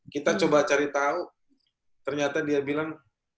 kita coba cari tahu ternyata dia bilang